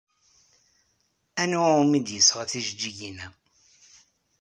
Anwa umi d-yesɣa tijeǧǧigin-a?